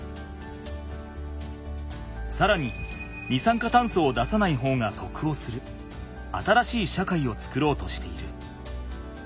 さらに二酸化炭素を出さない方がとくをする新しい社会を作ろうとしている。